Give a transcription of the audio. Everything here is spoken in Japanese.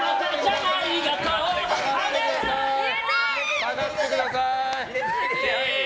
下がってください！